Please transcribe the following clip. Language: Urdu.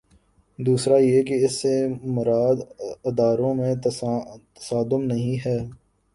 دوسرا یہ کہ اس سے مراد اداروں میں تصادم نہیں ہے۔